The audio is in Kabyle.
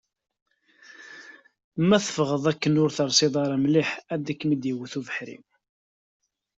Ma teffɣeḍ akken ur telsiḍ ara mliḥ, ad kem-iwet ubeḥri.